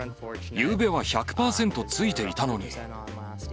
ゆうべは１００％ついていたのに。